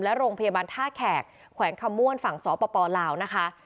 และโรงพยาบาลท่าแขกขวัญคมหมวนฝั่งสปลาวนะครับ